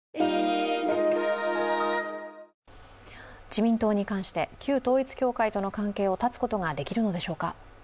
自民党に関して、旧統一教会との関係を断つことができるのでしょうか。